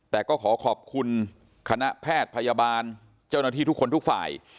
แต่ก็ขอขอบคุณคณะแพทย์พยาบาลเจ้าหน้าที่ทุกคนทุกฝ่าย